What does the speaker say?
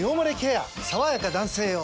さわやか男性用」